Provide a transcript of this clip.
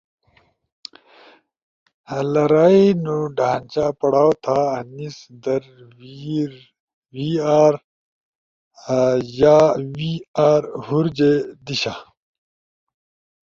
لرائی نو ڈھانچہ پڑاؤ تھا آنیز در we, re دی شا we are یا ہُور جے۔